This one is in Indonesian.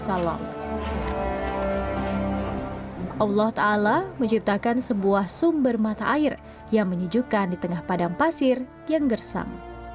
allah sw menciptakan sebuah sumber mata air yang menyejukkan di tengah padang pasir yang gersam